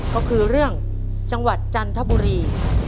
ก็คือเรื่องจังหวัดจันทบุรี